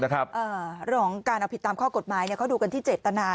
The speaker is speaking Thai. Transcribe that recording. เรื่องของการเอาผิดตามข้อกฎหมายเขาดูกันที่เจตนา